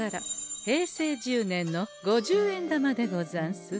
平成１０年の五十円玉でござんす。